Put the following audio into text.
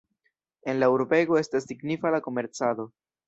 En la urbego estas signifa la komercado.